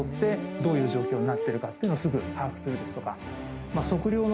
どういう状況になってるかというのをすぐ把握するとか。